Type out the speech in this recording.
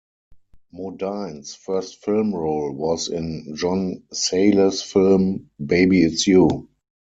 Modine's first film role was in John Sayles' film "Baby It's You".